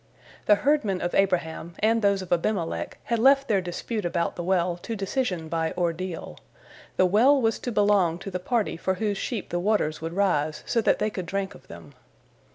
The herdmen of Abraham and those of Abimelech had left their dispute about the well to decision by ordeal: the well was to belong to the party for whose sheep the waters would rise so that they could drink of them.